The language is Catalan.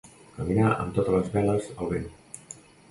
Caminar amb totes les veles al vent.